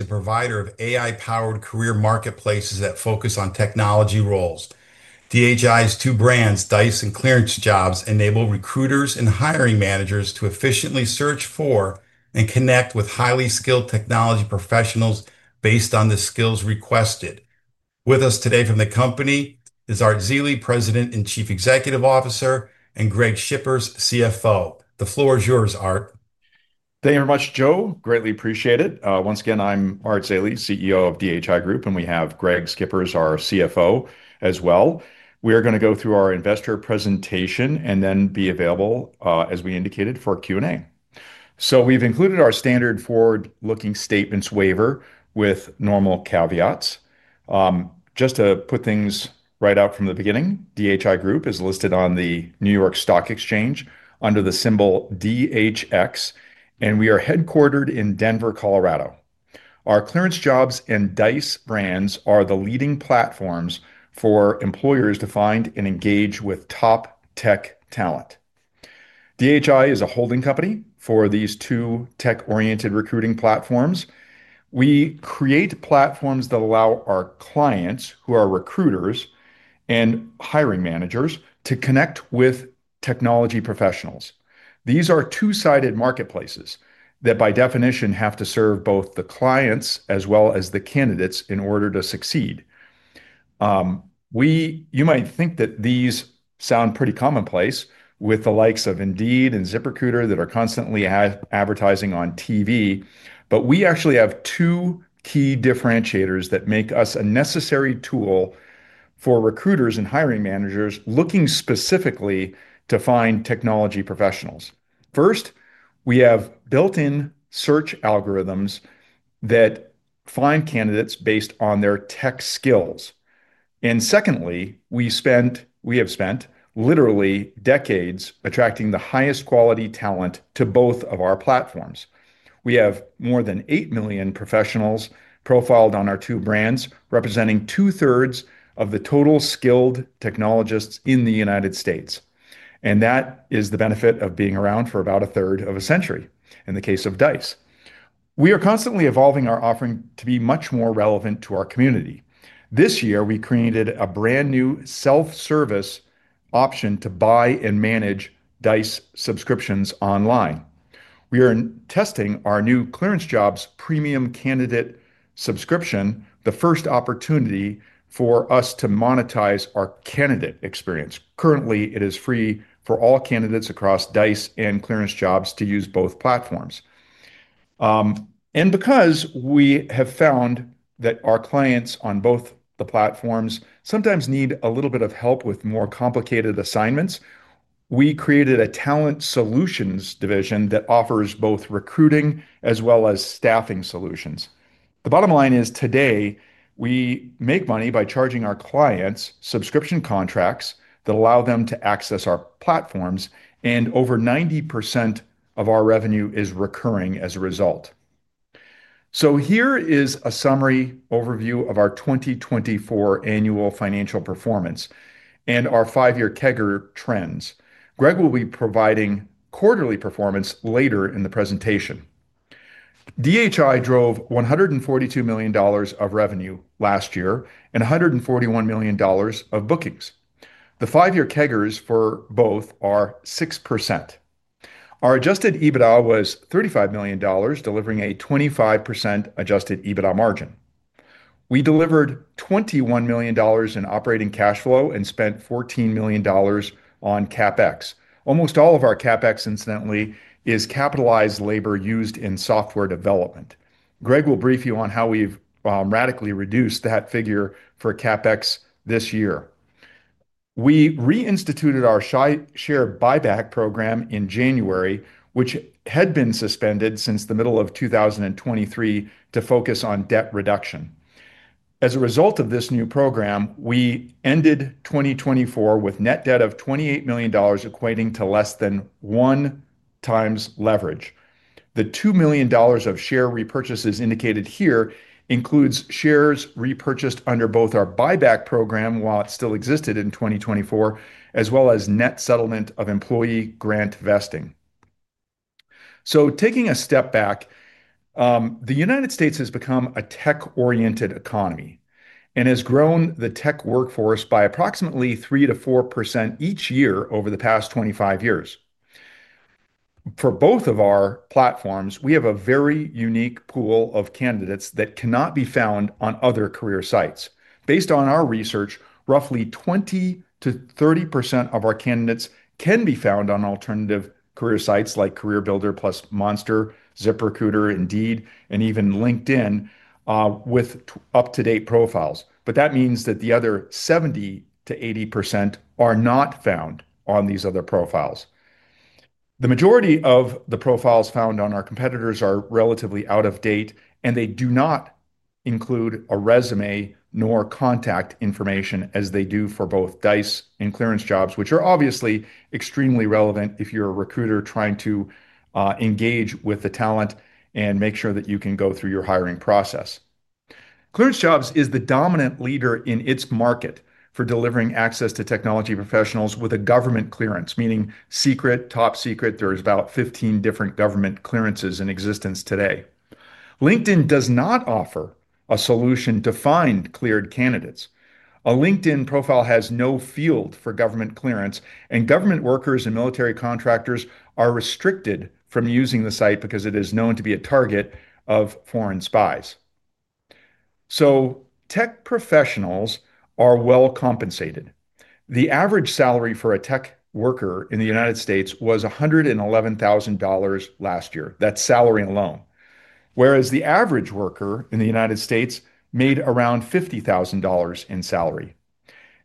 The provider of AI-powered career marketplaces that focus on technology roles. DHI's two brands, Dice and ClearanceJobs, enable recruiters and hiring managers to efficiently search for and connect with highly skilled technology professionals based on the skills requested. With us today from the company is Art Zeile, President and Chief Executive Officer, and Greg Schippers, CFO. The floor is yours, Art. Thank you very much, Joe. Greatly appreciate it. Once again, I'm Art Zeile, CEO of DHI Group, and we have Greg Schippers, our CFO, as well. We are going to go through our investor presentation and then be available, as we indicated, for Q&A. We've included our standard forward-looking statements waiver with normal caveats. Just to put things right out from the beginning, DHI Group is listed on the NYSE under the symbol DHX, and we are headquartered in Denver, Colorado. Our ClearanceJobs and Dice brands are the leading platforms for employers to find and engage with top tech talent. DHI is a holding company for these two tech-oriented recruiting platforms. We create platforms that allow our clients, who are recruiters and hiring managers, to connect with technology professionals. These are two-sided marketplaces that, by definition, have to serve both the clients as well as the candidates in order to succeed. You might think that these sound pretty commonplace with the likes of Indeed and ZipRecruiter that are constantly advertising on TV, but we actually have two key differentiators that make us a necessary tool for recruiters and hiring managers looking specifically to find technology professionals. First, we have built-in search algorithms that find candidates based on their tech skills. Secondly, we have spent literally decades attracting the highest quality talent to both of our platforms. We have more than 8 million professionals profiled on our two brands, representing two-thirds of the total skilled technologists in the U.S. That is the benefit of being around for about a third of a century, in the case of Dice. We are constantly evolving our offering to be much more relevant to our community. This year, we created a brand new self-service option to buy and manage Dice subscriptions online. We are testing our new ClearanceJobs Premium Candidate subscription, the first opportunity for us to monetize our candidate experience. Currently, it is free for all candidates across Dice and ClearanceJobs to use both platforms. Because we have found that our clients on both the platforms sometimes need a little bit of help with more complicated assignments, we created a talent solutions division that offers both recruiting as well as staffing solutions. The bottom line is today we make money by charging our clients subscription contracts that allow them to access our platforms, and over 90% of our revenue is recurring as a result. Here is a summary overview of our 2024 annual financial performance and our five-year CAGR trends. Greg will be providing quarterly performance later in the presentation. DHI drove $142 million of revenue last year and $141 million of bookings. The five-year CAGR for both are 6%. Our adjusted EBITDA was $35 million, delivering a 25% adjusted EBITDA margin. We delivered $21 million in operating cash flow and spent $14 million on CapEx. Almost all of our CapEx, incidentally, is capitalized labor used in software development. Greg will brief you on how we've radically reduced that figure for CapEx this year. We reinstituted our share buyback program in January, which had been suspended since the middle of 2023 to focus on debt reduction. As a result of this new program, we ended 2024 with net debt of $28 million, equating to less than 1x leverage. The $2 million of share repurchases indicated here includes shares repurchased under both our buyback program, while it still existed in 2024, as well as net settlement of employee grant vesting. Taking a step back, the U.S. has become a tech-oriented economy and has grown the tech workforce by approximately 3%-4% each year over the past 25 years. For both of our platforms, we have a very unique pool of candidates that cannot be found on other career sites. Based on our research, roughly 20%-30% of our candidates can be found on alternative career sites like CareerBuilder, Monster, ZipRecruiter, Indeed, and even LinkedIn, with up-to-date profiles. That means that the other 70%-80% are not found on these other profiles. The majority of the profiles found on our competitors are relatively out of date, and they do not include a resume nor contact information as they do for both Dice and ClearanceJobs, which are obviously extremely relevant if you're a recruiter trying to engage with the talent and make sure that you can go through your hiring process. ClearanceJobs is the dominant leader in its market for delivering access to technology professionals with a government clearance, meaning secret, top secret. There are about 15 different government clearances in existence today. LinkedIn does not offer a solution to find cleared candidates. A LinkedIn profile has no field for government clearance, and government workers and military contractors are restricted from using the site because it is known to be a target of foreign spies. Tech professionals are well compensated. The average salary for a tech worker in the U.S. was $111,000 last year. That's salary alone, whereas the average worker in the U.S. made around $50,000 in salary.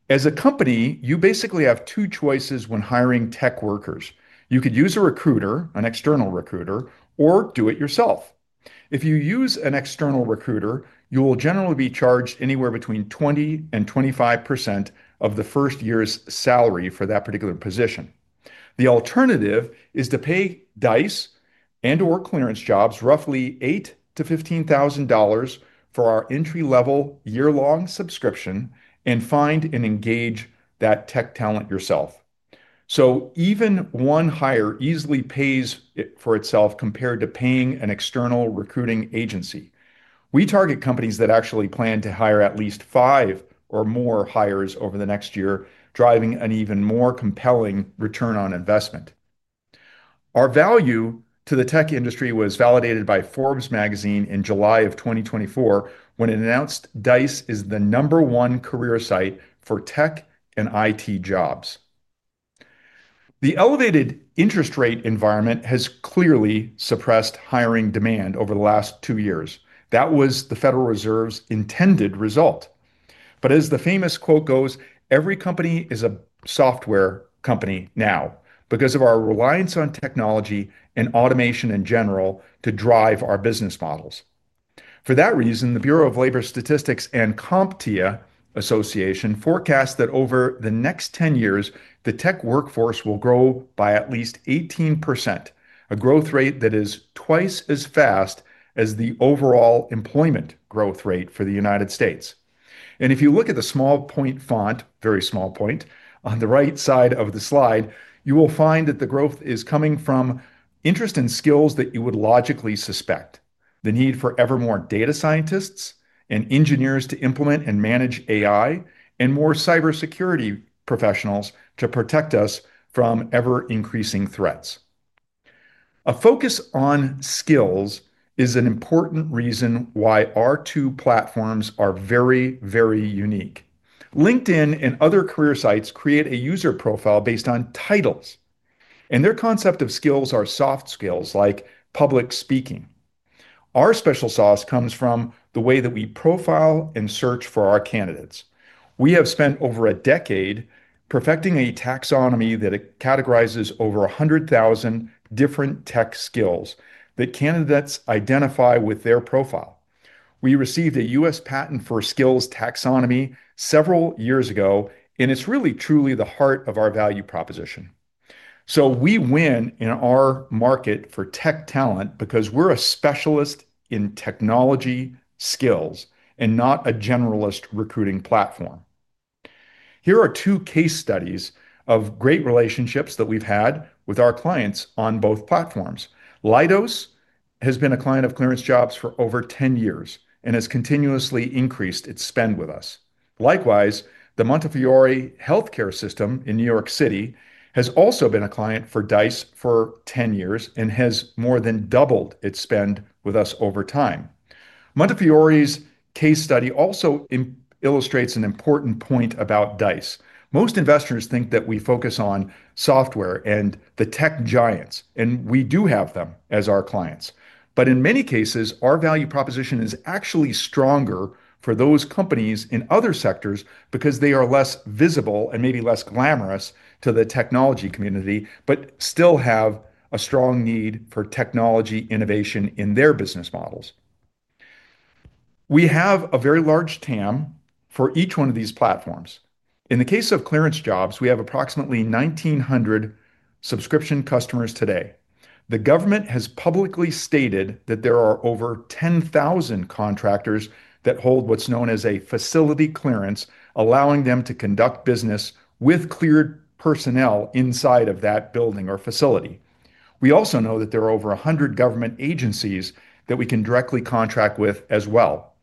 As a company, you basically have two choices when hiring tech workers. You could use a recruiter, an external recruiter, or do it yourself. If you use an external recruiter, you will generally be charged anywhere between 20% and 25% of the first year's salary for that particular position. The alternative is to pay Dice and/or ClearanceJobs roughly $8,000 -$15,000 for our entry-level year-long subscription and find and engage that tech talent yourself. Even one hire easily pays for itself compared to paying an external recruiting agency. We target companies that actually plan to hire at least five or more hires over the next year, driving an even more compelling return on investment. Our value to the tech industry was validated by Forbes Magazine in July 2024 when it announced Dice is the number one career site for tech and IT jobs. The elevated interest rate environment has clearly suppressed hiring demand over the last two years. That was the Federal Reserve's intended result. As the famous quote goes, every company is a software company now because of our reliance on technology and automation in general to drive our business models. For that reason, the U.S. Bureau of Labor Statistics and CompTIA Association forecasts that over the next 10 years, the tech workforce will grow by at least 18%, a growth rate that is twice as fast as the overall employment growth rate for the U.S. If you look at the small point font, very small point on the right side of the slide, you will find that the growth is coming from interest in skills that you would logically suspect, the need for ever more data scientists and engineers to implement and manage AI, and more cybersecurity professionals to protect us from ever-increasing threats. A focus on skills is an important reason why our two platforms are very, very unique. LinkedIn and other career sites create a user profile based on titles, and their concept of skills are soft skills like public speaking. Our special sauce comes from the way that we profile and search for our candidates. We have spent over a decade perfecting a taxonomy that categorizes over 100,000 different tech skills that candidates identify with their profile. We received a U.S. patent for skills taxonomy several years ago, and it's really truly the heart of our value proposition. We win in our market for tech talent because we're a specialist in technology skills and not a generalist recruiting platform. Here are two case studies of great relationships that we've had with our clients on both platforms. Leidos has been a client of ClearanceJobs for over 10 years and has continuously increased its spend with us. Likewise, the Montefiore Healthcare System in New York City has also been a client for Dice for 10 years and has more than doubled its spend with us over time. Montefiore's case study also illustrates an important point about Dice. Most investors think that we focus on software and the tech giants, and we do have them as our clients. In many cases, our value proposition is actually stronger for those companies in other sectors because they are less visible and maybe less glamorous to the technology community, but still have a strong need for technology innovation in their business models. We have a very large total addressable market for each one of these platforms. In the case of ClearanceJobs, we have approximately 1,900 subscription customers today. The government has publicly stated that there are over 10,000 contractors that hold what's known as a facility clearance, allowing them to conduct business with cleared personnel inside of that building or facility. We also know that there are over 100 government agencies that we can directly contract with as well.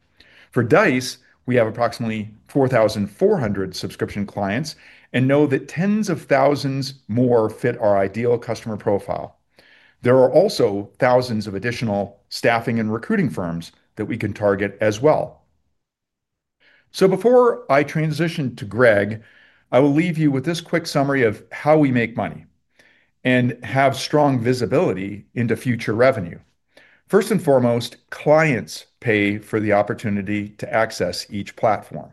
For Dice, we have approximately 4,400 subscription clients and know that tens of thousands more fit our ideal customer profile. There are also thousands of additional staffing and recruiting firms that we can target as well. Before I transition to Greg, I will leave you with this quick summary of how we make money and have strong visibility into future revenue. First and foremost, clients pay for the opportunity to access each platform.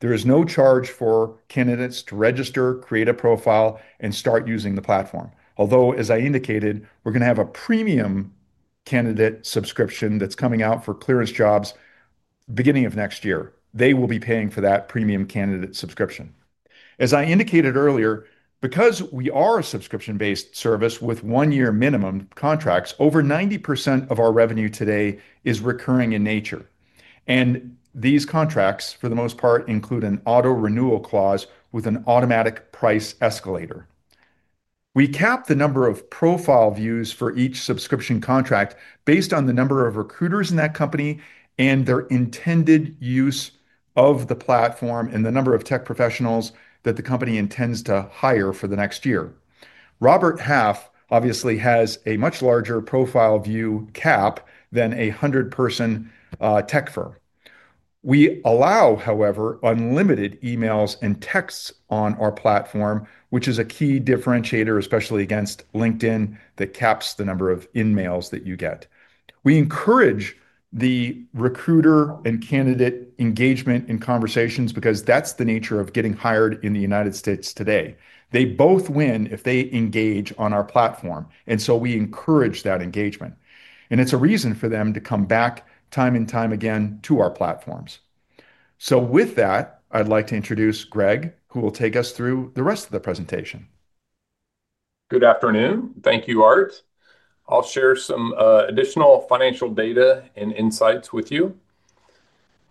There is no charge for candidates to register, create a profile, and start using the platform. Although, as I indicated, we're going to have a premium candidate subscription that's coming out for ClearanceJobs beginning of next year. They will be paying for that premium candidate subscription. As I indicated earlier, because we are a subscription-based service with one-year minimum contracts, over 90% of our revenue today is recurring in nature. These contracts, for the most part, include an auto-renewal clause with an automatic price escalator. We cap the number of profile views for each subscription contract based on the number of recruiters in that company and their intended use of the platform and the number of tech professionals that the company intends to hire for the next year. Robert Half obviously has a much larger profile view cap than a 100-person tech firm. We allow, however, unlimited emails and texts on our platform, which is a key differentiator, especially against LinkedIn, that caps the number of InMails that you get. We encourage the recruiter and candidate engagement in conversations because that's the nature of getting hired in the United States today. They both win if they engage on our platform. We encourage that engagement, and it's a reason for them to come back time and time again to our platforms. With that, I'd like to introduce Greg, who will take us through the rest of the presentation. Good afternoon. Thank you, Art. I'll share some additional financial data and insights with you.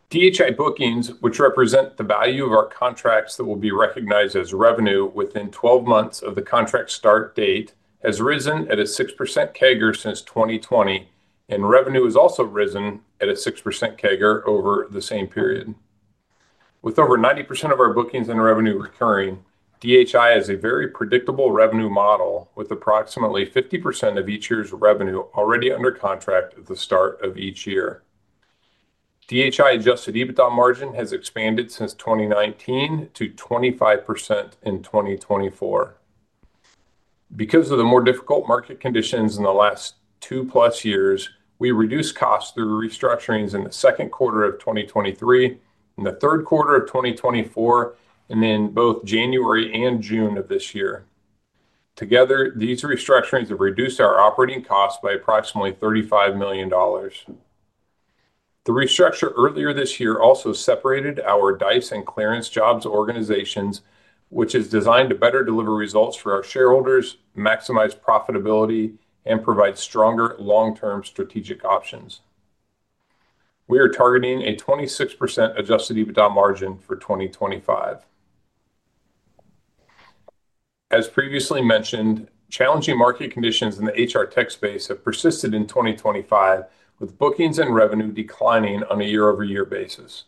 DHI bookings, which represent the value of our contracts that will be recognized as revenue within 12 months of the contract start date, has risen at a 6% CAGR since 2020, and revenue has also risen at a 6% CAGR over the same period. With over 90% of our bookings and revenue recurring, DHI has a very predictable revenue model with approximately 50% of each year's revenue already under contract at the start of each year. DHI adjusted EBITDA margin has expanded since 2019 to 25% in 2024. Because of the more difficult market conditions in the last two plus years, we reduced costs through restructurings in the second quarter of 2023, in the third quarter of 2024, and in both January and June of this year. Together, these restructurings have reduced our operating costs by approximately $35 million. The restructure earlier this year also separated our Dice and ClearanceJobs organizations, which is designed to better deliver results for our shareholders, maximize profitability, and provide stronger long-term strategic options. We are targeting a 26% adjusted EBITDA margin for 2025. As previously mentioned, challenging market conditions in the HR tech space have persisted in 2025, with bookings and revenue declining on a year-over-year basis.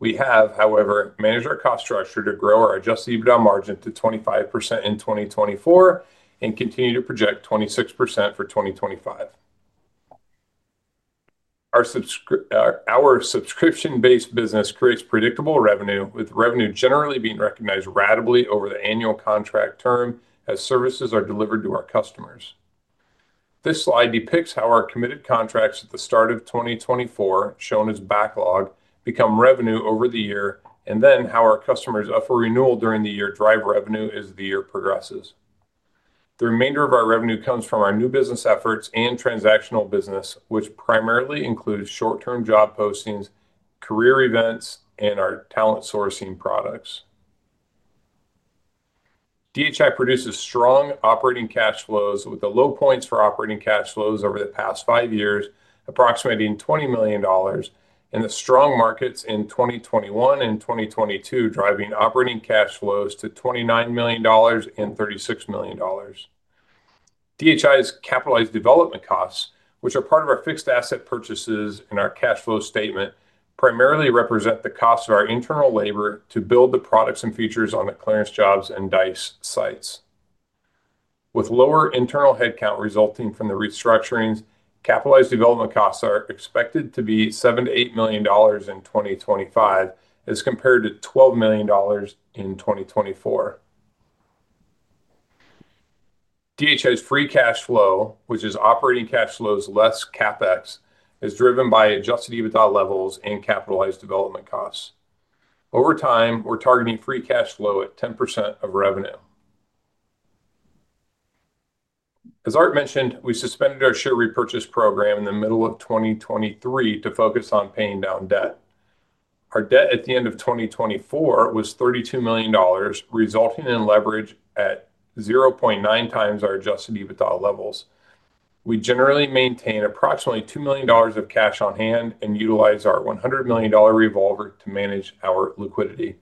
We have, however, managed our cost structure to grow our adjusted EBITDA margin to 25% in 2024 and continue to project 26% for 2025. Our subscription-based business creates predictable revenue, with revenue generally being recognized ratably over the annual contract term as services are delivered to our customers. This slide depicts how our committed contracts at the start of 2024, shown as backlog, become revenue over the year, and then how our customers' upper renewal during the year drive revenue as the year progresses. The remainder of our revenue comes from our new business efforts and transactional business, which primarily include short-term job postings, career events, and our talent sourcing products. DHI produces strong operating cash flows with the low points for operating cash flows over the past five years, approximating $20 million, and the strong markets in 2021 and 2022 driving operating cash flows to $29 million and $36 million. DHI's capitalized development costs, which are part of our fixed asset purchases in our cash flow statement, primarily represent the costs of our internal labor to build the products and features on the ClearanceJobs and Dice sites. With lower internal headcount resulting from the restructurings, capitalized development costs are expected to be $7 to $8 million in 2025 as compared to $12 million in 2024. DHI's free cash flow, which is operating cash flows less CapEx, is driven by adjusted EBITDA levels and capitalized development costs. Over time, we're targeting free cash flow at 10% of revenue. As Art mentioned, we suspended our share repurchase program in the middle of 2023 to focus on paying down debt. Our debt at the end of 2024 was $32 million, resulting in leverage at 0.9x our adjusted EBITDA levels. We generally maintain approximately $2 million of cash on hand and utilize our $100 million revolver to manage our liquidity.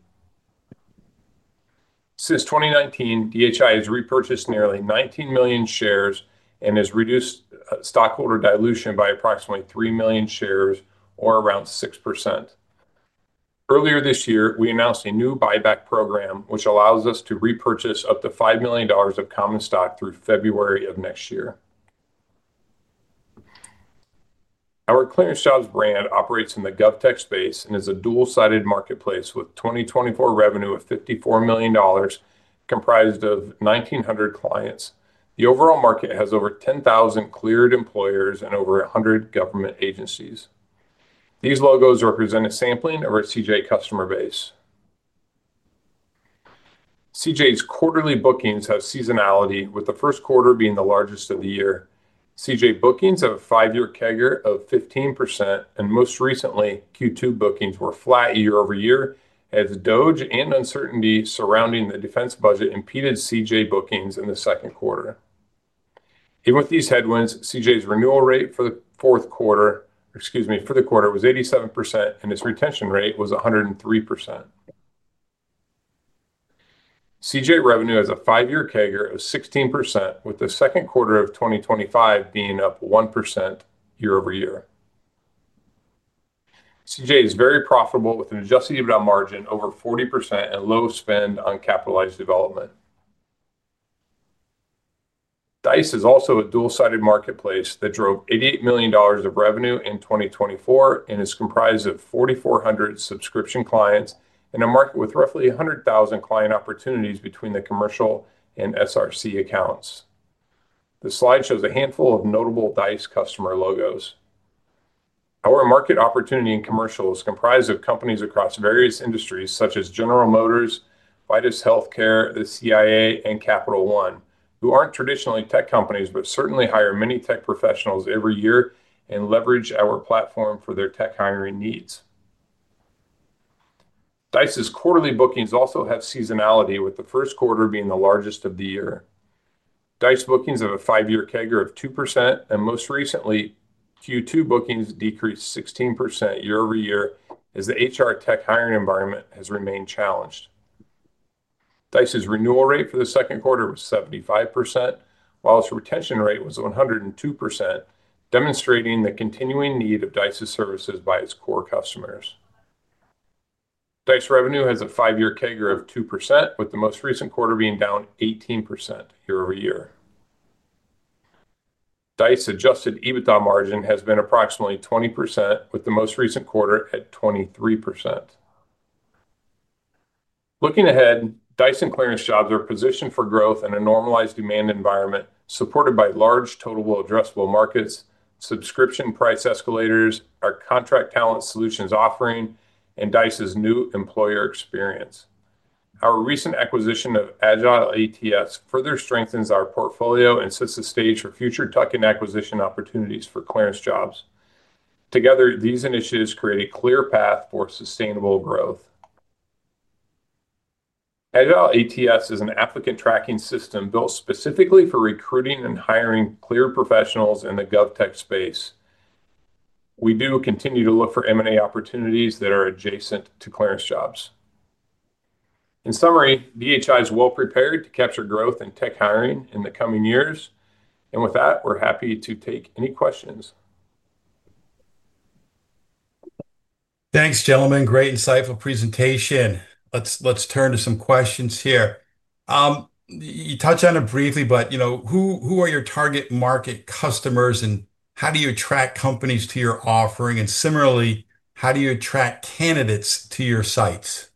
Since 2019, DHI has repurchased nearly 19 million shares and has reduced stockholder dilution by approximately 3 million shares, or around 6%. Earlier this year, we announced a new buyback program, which allows us to repurchase up to $5 million of common stock through February of next year. Our ClearanceJobs brand operates in the GovTech space and is a dual-sided marketplace with 2024 revenue of $54 million, comprised of 1,900 clients. The overall market has over 10,000 cleared employers and over 100 government agencies. These logos represent a sampling of our CJ customer base. CJ's quarterly bookings have seasonality, with the first quarter being the largest of the year. CJ bookings have a five-year CAGR of 15%, and most recently, Q2 bookings were flat year-over-year as DOGE and uncertainty surrounding the defense budget impeded CJ bookings in the second quarter. Even with these headwinds, CJ's renewal rate for the quarter was 87%, and its retention rate was 103%. CJ revenue has a five-year CAGR of 16%, with the second quarter of 2025 being up 1% year-over-year. CJ is very profitable with an adjusted EBITDA margin over 40% and low spend on capitalized development. Dice is also a dual-sided marketplace that drove $88 million of revenue in 2024 and is comprised of 4,400 subscription clients in a market with roughly 100,000 client opportunities between the commercial and SRC accounts. The slide shows a handful of notable Dice customer logos. Our market opportunity in commercial is comprised of companies across various industries such as General Motors, Montefiore Healthcare System, the CIA, and Capital One, who aren't traditionally tech companies but certainly hire many tech professionals every year and leverage our platform for their tech hiring needs. Dice's quarterly bookings also have seasonality, with the first quarter being the largest of the year. Dice bookings have a five-year CAGR of 2%, and most recently, Q2 bookings decreased 16% year-over-year as the HR tech hiring environment has remained challenged. Dice's renewal rate for the second quarter was 75%, while its retention rate was 102%, demonstrating the continuing need of Dice's services by its core customers. Dice revenue has a five-year CAGR of 2%, with the most recent quarter being down 18% year-over year. Dice's adjusted EBITDA margin has been approximately 20%, with the most recent quarter at 23%. Looking ahead, Dice and ClearanceJobs are positioned for growth in a normalized demand environment supported by large total addressable markets, subscription price escalators, our contract talent solutions offering, and Dice's new employer experience. Our recent acquisition of Agile ATS further strengthens our portfolio and sets the stage for future talent acquisition opportunities for ClearanceJobs. Together, these initiatives create a clear path for sustainable growth. Agile ATS is an applicant tracking system built specifically for recruiting and hiring cleared professionals in the GovTech space. We do continue to look for M&A opportunities that are adjacent to ClearanceJobs. In summary, DHI G is well prepared to capture growth in tech hiring in the coming years, and with that, we're happy to take any questions. Thanks, gentlemen. Great insightful presentation. Let's turn to some questions here. You touched on it briefly, but you know who are your target market customers and how do you attract companies to your offering? Similarly, how do you attract candidates to your sites?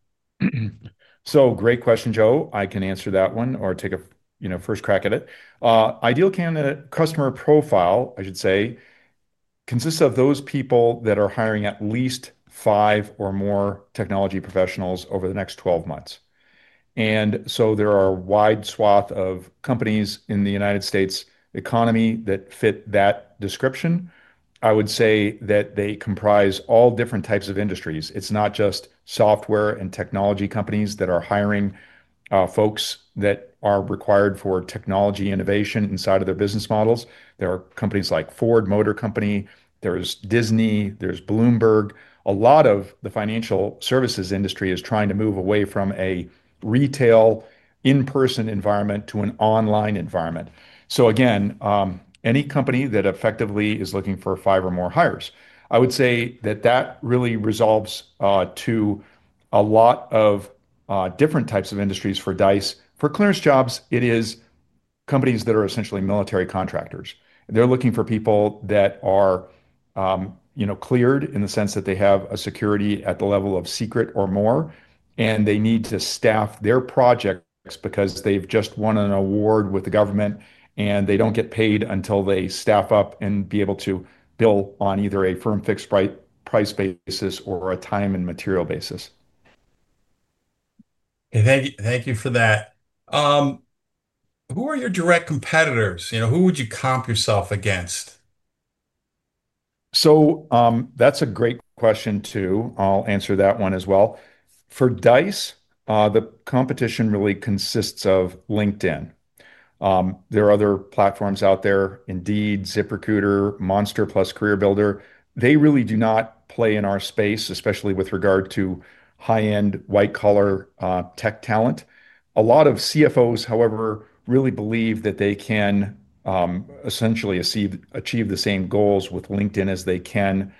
Great question, Joe. I can answer that one or take a first crack at it. Ideal candidate customer profile, I should say, consists of those people that are hiring at least five or more technology professionals over the next 12 months. There are a wide swath of companies in the United States economy that fit that description. I would say that they comprise all different types of industries. It's not just software and technology companies that are hiring folks that are required for technology innovation inside of their business models. There are companies like General Motors, there's Disney, there's Bloomberg. A lot of the financial services industry is trying to move away from a retail in-person environment to an online environment. Any company that effectively is looking for five or more hires, I would say that that really resolves to a lot of different types of industries for Dice. For ClearanceJobs, it is companies that are essentially military contractors. They're looking for people that are cleared in the sense that they have a security at the level of secret or more, and they need to staff their projects because they've just won an award with the government and they don't get paid until they staff up and are able to bill on either a firm fixed price basis or a time and material basis. Thank you for that. Who are your direct competitors? Who would you comp yourself against? That's a great question, too. I'll answer that one as well. For Dice, the competition really consists of LinkedIn. There are other platforms out there, Indeed, ZipRecruiter, Monster, plus CareerBuilder. They really do not play in our space, especially with regard to high-end white-collar tech talent. A lot of CFOs, however, really believe that they can essentially achieve the same goals with LinkedIn as they can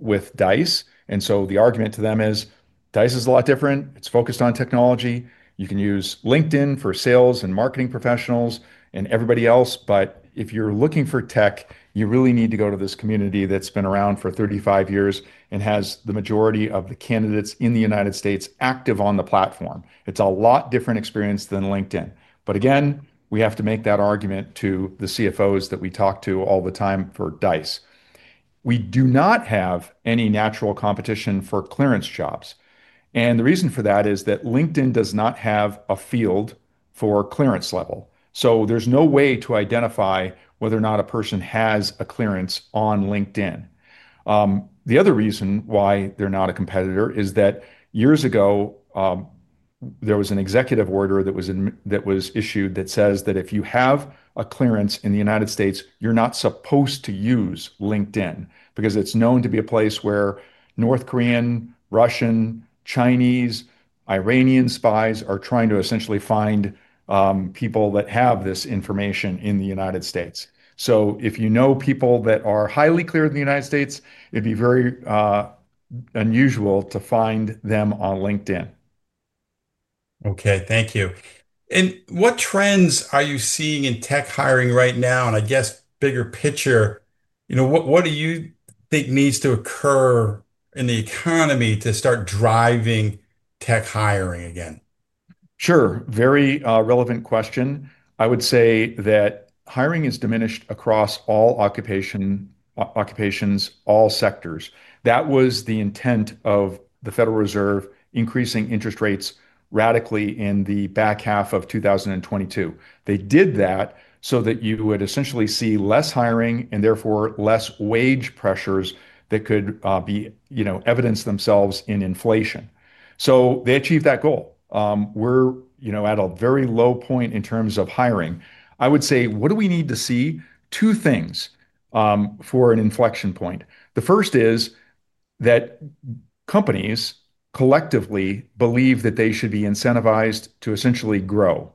with Dice. The argument to them is Dice is a lot different. It's focused on technology. You can use LinkedIn for sales and marketing professionals and everybody else, but if you're looking for tech, you really need to go to this community that's been around for 35 years and has the majority of the candidates in the United States active on the platform. It's a lot different experience than LinkedIn. We have to make that argument to the CFOs that we talk to all the time for Dice. We do not have any natural competition for ClearanceJobs. The reason for that is that LinkedIn does not have a field for clearance level. There's no way to identify whether or not a person has a clearance on LinkedIn. The other reason why they're not a competitor is that years ago, there was an executive order that was issued that says that if you have a clearance in the United States, you're not supposed to use LinkedIn because it's known to be a place where North Korean, Russian, Chinese, and Iranian spies are trying to essentially find people that have this information in the United States. If you know people that are highly cleared in the United States, it'd be very unusual to find them on LinkedIn. Okay, thank you. What trends are you seeing in tech hiring right now? I guess bigger picture, you know what do you think needs to occur in the economy to start driving tech hiring again? Sure, very relevant question. I would say that hiring is diminished across all occupations, all sectors. That was the intent of the Federal Reserve, increasing interest rates radically in the back half of 2022. They did that so that you would essentially see less hiring and therefore less wage pressures that could evidence themselves in inflation. They achieved that goal. We're at a very low point in terms of hiring. I would say what do we need to see? Two things for an inflection point. The first is that companies collectively believe that they should be incentivized to essentially grow.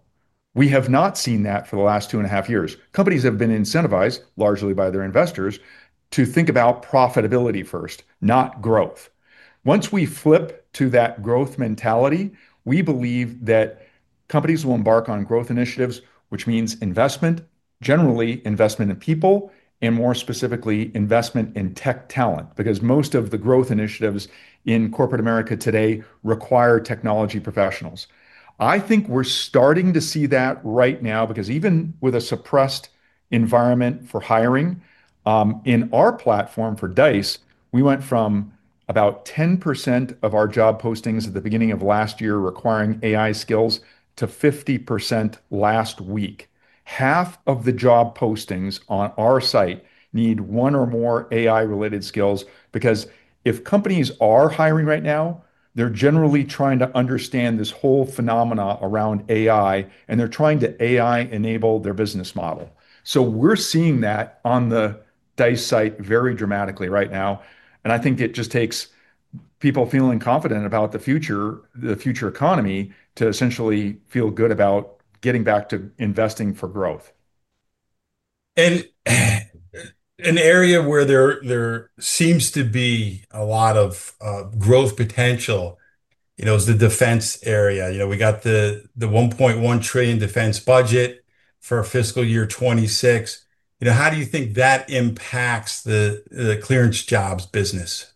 We have not seen that for the last two and a half years. Companies have been incentivized largely by their investors to think about profitability first, not growth. Once we flip to that growth mentality, we believe that companies will embark on growth initiatives, which means investment, generally investment in people, and more specifically, investment in tech talent, because most of the growth initiatives in corporate America today require technology professionals. I think we're starting to see that right now because even with a suppressed environment for hiring, in our platform for Dice, we went from about 10% of our job postings at the beginning of last year requiring AI skills to 50% last week. Half of the job postings on our site need one or more AI-related skills because if companies are hiring right now, they're generally trying to understand this whole phenomena around AI, and they're trying to AI-enable their business model. We're seeing that on the Dice site very dramatically right now. I think it just takes people feeling confident about the future economy to essentially feel good about getting back to investing for growth. An area where there seems to be a lot of growth potential is the defense area. We got the $1.1 trillion defense budget for fiscal year 2026. How do you think that impacts the ClearanceJobs business?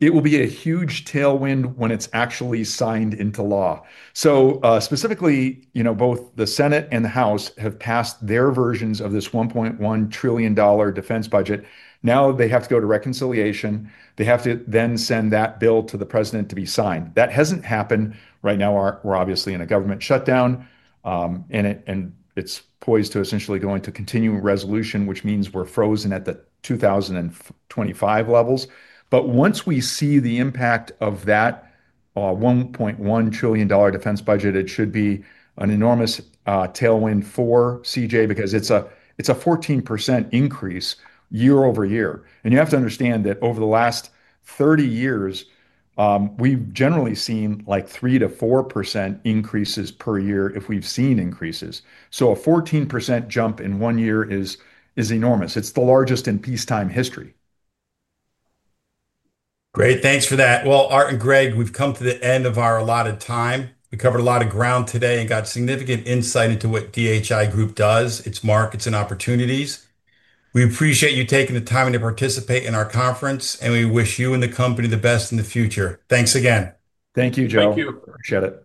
It will be a huge tailwind when it's actually signed into law. Specifically, both the Senate and the House have passed their versions of this $1.1 trillion defense budget. Now they have to go to reconciliation. They have to then send that bill to the president to be signed. That hasn't happened. Right now, we're obviously in a government shutdown, and it's poised to essentially go into continuing resolution, which means we're frozen at the 2025 levels. Once we see the impact of that $1.1 trillion defense budget, it should be an enormous tailwind for ClearanceJobs because it's a 14% increase year-over-year. You have to understand that over the last 30 years, we've generally seen like 3%-4% increases per year if we've seen increases. A 14% jump in one year is enormous. It's the largest in peacetime history. Great, thanks for that. Art and Greg, we've come to the end of our allotted time. We covered a lot of ground today and got significant insight into what DHI Group does, its markets, and opportunities. We appreciate you taking the time to participate in our conference, and we wish you and the company the best in the future. Thanks again. Thank you, Joe. Thank you. Appreciate it.